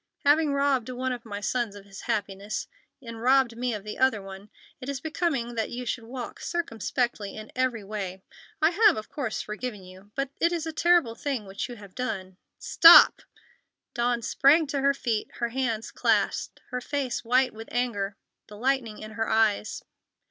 Having robbed one of my sons of his happiness, and robbed me of the other one, it is becoming that you should walk circumspectly in every way. I have, of course, forgiven you. But it is a terrible thing which you have done——" "Stop!" Dawn sprang to her feet, her hands clasped, her face white with anger, the lightning in her eyes.